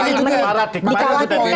itu tadi dikhawatirkan